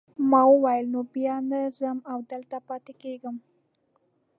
ما وویل نو بیا نه ځم او دلته پاتې کیږم.